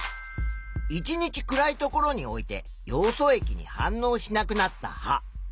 １日暗い所に置いてヨウ素液に反応しなくなった葉。